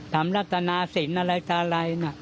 ทำรัฐนาศิลป์อะไรนะ